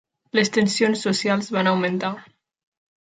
Les tensions socials van augmentar.